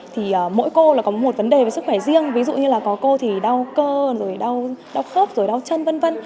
thì mỗi cô là có một vấn đề về sức khỏe riêng ví dụ như là có cô thì đau cơ rồi đau đau khớp rồi đau chân v v